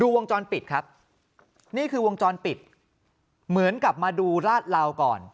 วงจรปิดครับนี่คือวงจรปิดเหมือนกลับมาดูราดเหลาก่อน